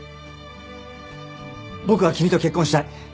僕は君と結婚したい。